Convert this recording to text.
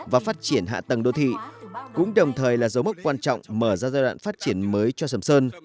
và phát triển hạ tầng đô thị cũng đồng thời là dấu mốc quan trọng mở ra giai đoạn phát triển mới cho sầm sơn